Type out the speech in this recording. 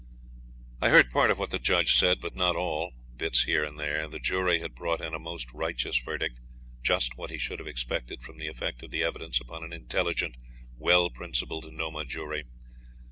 I heard part of what the judge said, but not all bits here and there. The jury had brought in a most righteous verdict; just what he should have expected from the effect of the evidence upon an intelligent, well principled Nomah jury.